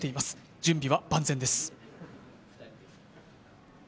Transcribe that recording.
準備は万全です。